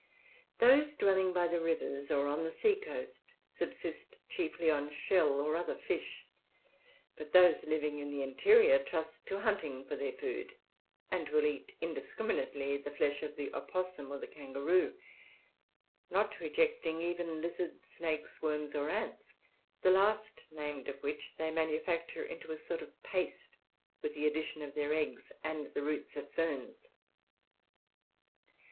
Those dwelling by the rivers or on the sea coast subsist chiefly on shell or other fish, but those living in the interior trust to hunting for their food, and will eat indiscriminately the flesh of the opossum or the kangaroo, not rejecting even lizards, snakes, worms, or ants, the last named of which they manufacture into a sort of paste with the addition of their eggs and the roots of ferns.